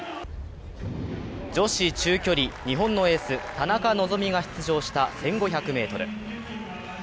女子中距離、日本のエース田中希実が出場した１５００ｍ。